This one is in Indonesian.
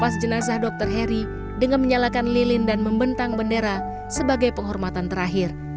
pas jenazah dokter heri dengan menyalakan lilin dan membentang bendera sebagai penghormatan terakhir